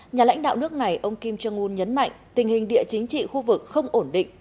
nhà lãnh đạo nước này ông kim jong un nhấn mạnh tình hình địa chính trị khu vực không ổn định